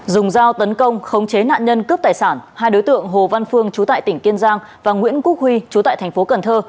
dùng dao tấn công khống khống chế nạn nhân cướp tài sản hai đối tượng hồ văn phương trú tại tỉnh kiên giang và nguyễn quốc huy trú tại thành phố cần thơ